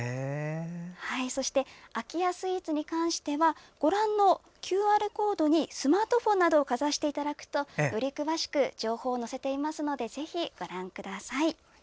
そして、空家スイーツに関してはごらんのＱＲコードにスマートフォンなどをかざしていただくとより詳しく情報を載せていますのでぜひご覧ください。